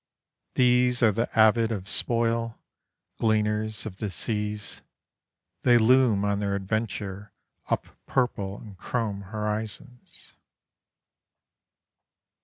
These are the avid of spoil, Gleaners of the seas, They loom on their adventure Up purple and chrome horizons.